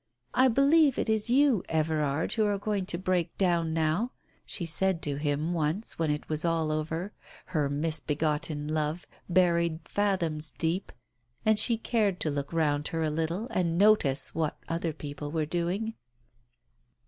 " I believe it is you, Everard, who are going to break down now !" she said to him once when it was all over, her misbegotten love buried fathoms deep, and she cared to look round her a little and notice what other people were doing.